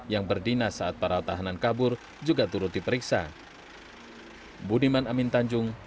yang berdinas saat para tahanan kabur juga turut diperiksa